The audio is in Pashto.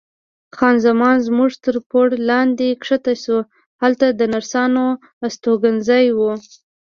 خان زمان زموږ تر پوړ لاندې کښته شوه، هلته د نرسانو استوګنځای و.